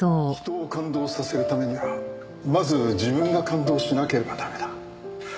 人を感動させるためにはまず自分が感動しなければ駄目だ。